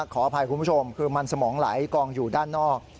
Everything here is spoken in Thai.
ขออภัยคุณผู้ชมคือมันสมองไหลกองอยู่ด้านนอก